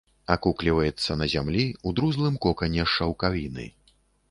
Акукліваецца на зямлі ў друзлым кокане з шаўкавіны.